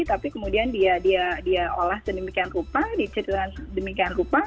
tapi kemudian dia olah sedemikian rupa diceritakan sedemikian rupa